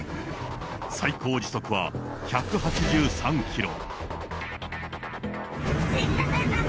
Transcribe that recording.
最高時速は１８３キロ。